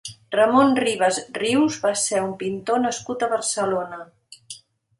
Ramon Ribas Rius va ser un pintor nascut a Barcelona.